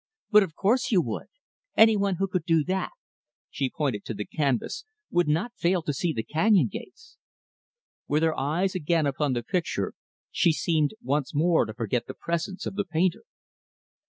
But of course you would. Any one who could do that" she pointed to the canvas "would not fail to see the canyon gates." With her eyes again upon the picture, she seemed once more to forget the presence of the painter.